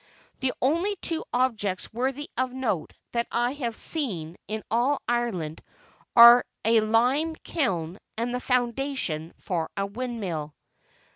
The only two objects worthy of note that I have seen in all Ireland are a lime kiln and the foundation for a windmill!"